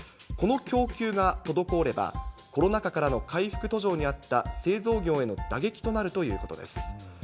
この供給が滞れば、コロナ禍からの回復途上にあった製造業への打撃となるということです。